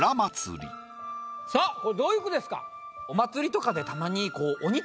さぁこれどういう句ですか？